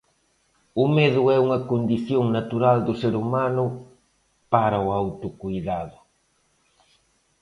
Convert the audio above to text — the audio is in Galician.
O medo é unha condición natural do ser humano para o autocoidado.